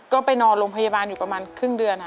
ก็ไปนอนโรงพยาบาลอยู่ประมาณครึ่งเดือน